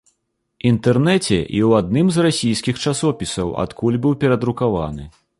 Інтэрнэце і ў адным з расійскіх часопісаў, адкуль быў перадрукаваны.